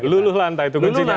oke luluh lantah itu kuncinya